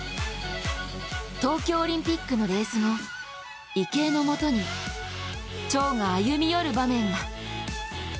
東京オリンピックのレース後池江のもとに張が歩み寄る場面が。